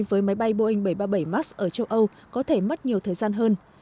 với máy bay boeing bảy trăm ba mươi bảy max ở châu âu có thể mất nhiều thời gian hơn